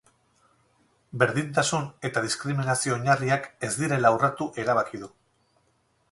Berdintasun eta diskriminazio oinarriak ez direla urratu erabaki du.